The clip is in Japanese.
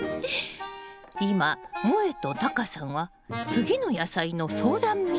今もえとタカさんは次の野菜の相談みたいよ。